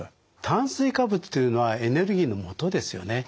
炭水化物というのはエネルギーのもとですよね。